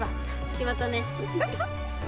決まったね。